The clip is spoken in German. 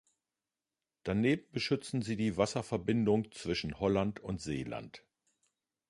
Daneben beschützen sie die Wasserverbindung zwischen Holland und Seeland.